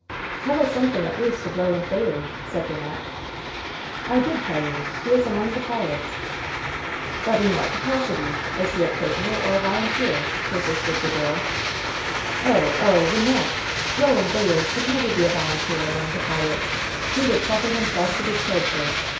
"Tell us something at least of Roland Bayard," said Wynnette. "I did tell you I He is among the pirates." "But in what capacity ? Is he a prisoner or a volun teer?" persisted the girl; "Oh ! oh, Wynnette ! Roland Bayard could never be a volunteer among the pirates. He would suffer him self to be killed first!